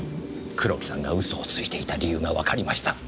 黒木さんが嘘をついていた理由がわかりました。